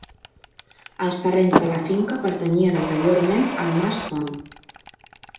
Els terrenys de la finca pertanyien anteriorment al mas Font.